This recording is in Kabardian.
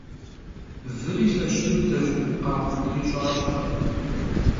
Выри лъэщ дыдэщ — къаубыдри щӀащӀэ.